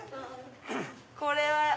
これは。